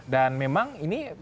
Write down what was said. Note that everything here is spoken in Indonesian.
dan memang ini